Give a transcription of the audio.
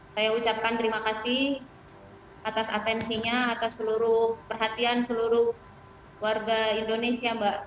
saya ucapkan terima kasih atas atensinya atas seluruh perhatian seluruh warga indonesia mbak